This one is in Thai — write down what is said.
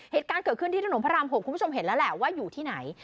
เหตุการณ์เกิดขึ้นที่ถนนพระราม๖คุณผู้ชมเห็นแล้วแหละว่าอยู่ที่ไหน